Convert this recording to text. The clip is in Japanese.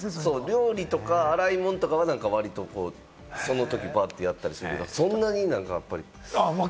料理とか洗い物とかはその時にバッとやったりするけれども、そんなにやっぱり。